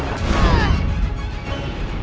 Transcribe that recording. patra hikmah tiga puluh delapan